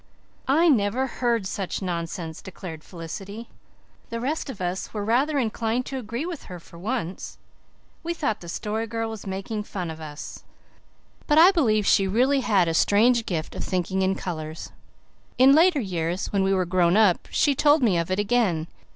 "I never heard such nonsense," declared Felicity. The rest of us were rather inclined to agree with her for once. We thought the Story Girl was making fun of us. But I believe she really had a strange gift of thinking in colours. In later years, when we were grown up, she told me of it again.